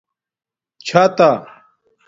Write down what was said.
چھاتہ